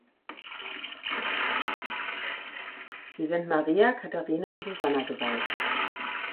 Sie sind Maria, Katharina und Susanna geweiht.